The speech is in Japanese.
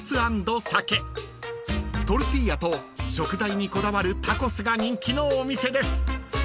［トルティーヤと食材にこだわるタコスが人気のお店です］